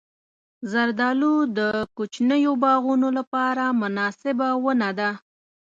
زردالو د کوچنیو باغونو لپاره مناسبه ونه ده.